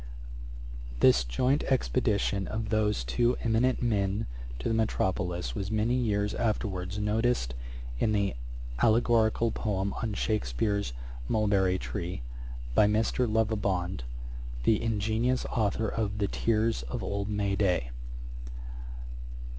This joint expedition of those two eminent men to the metropolis, was many years afterwards noticed in an allegorical poem on Shakspeare's Mulberry Tree, by Mr. Lovibond, the ingenious authour of The Tears of Old May day.